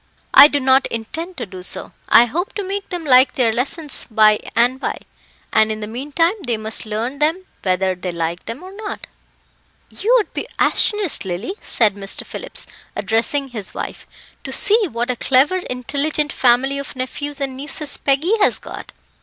"I do not intend to do so. I hope to make them like their lessons by and by, and in the meantime they must learn them whether they like them or not." "You would be astonished, Lily," said Mr. Phillips, addressing his wife, "to see what a clever, intelligent family of nephews and nieces Peggy has got.